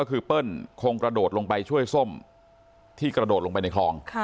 ก็คือเปิ้ลคงกระโดดลงไปช่วยส้มที่กระโดดลงไปในคลอง